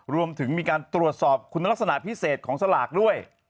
รวมถึงมีการตรวจสอบคุณลักษณะพิเศษของสลากด้วย